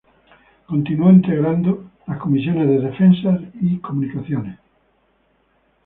Continuó Integrando las Comisiones de Defensa y Comunicaciones.